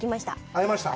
会えました？